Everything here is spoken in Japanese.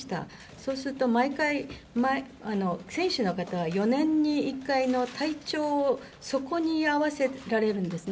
そうすると毎回、選手の方、４年に１回の体調をそこに合わせられるんですね。